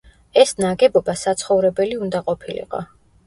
ეს ნაგებობა საცხოვრებელი უნდა ყოფილიყო.